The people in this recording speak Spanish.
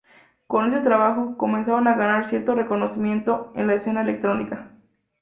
Con este trabajo, comenzaron a ganar cierto reconocimiento en la escena electrónica.